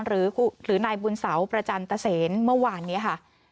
หรือนายบุญเสาประจันตเซนเมื่อวานนี้ค่ะ